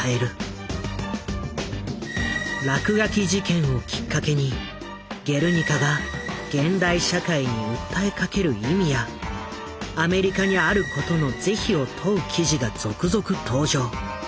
落書き事件をきっかけに「ゲルニカ」が現代社会に訴えかける意味やアメリカにあることの是非を問う記事が続々登場。